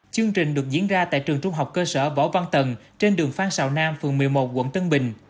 chương trình được diễn ra tại trường trung học cơ sở võ văn tần trên đường phan xào nam phường một mươi một quận tân bình